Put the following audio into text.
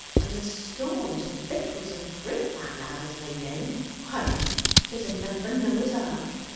And the stores of victuals and drink that lad has laid in: why, 'tis enough for Noah's ark!